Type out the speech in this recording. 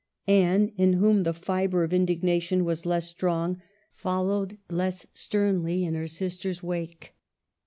Anne, in whom the fibre of indignation was less strong, followed less sternly in her sister's wake.